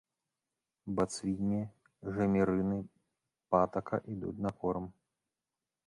Бацвінне, жамерыны, патака ідуць на корм.